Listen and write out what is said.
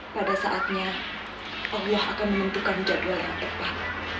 pada saatnya allah akan menentukan jadwal yang tepat